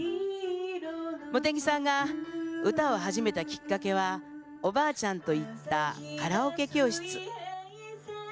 茂木さんが歌を始めたきっかけはおばあちゃんと行ったカラオケ教室。